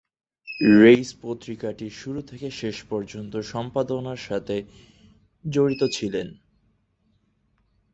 Reis পত্রিকাটির শুরু থেকে শেষ পর্যন্ত সম্পাদনার সাথে জড়িত ছিলেন।